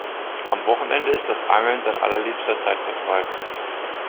Am Wochenende ist das Angeln sein allerliebster Zeitvertreib.